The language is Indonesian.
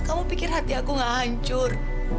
kamu pikir hati aku gak hancur